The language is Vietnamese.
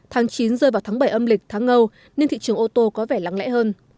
tháng chín rơi vào tháng bảy âm lịch tháng ngâu nên thị trường ô tô có vẻ lắng lẽ hơn